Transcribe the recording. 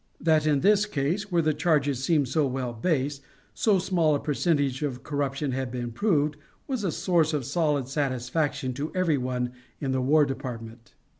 That in this case, where the charges seemed so well based, so small a percentage of corruption had been proved was a source of solid satisfaction to every one in the War Department.